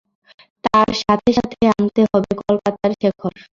তার সাথে সাথে আনতে হবে, কনকলতার শেকড়।